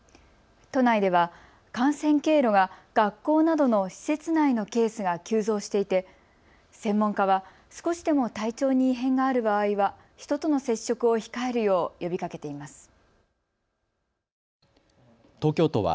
都内では感染経路が学校などの施設内のケースが急増していて専門家は少しでも体調に異変がある場合は人との接触を控えるよう呼びかけています。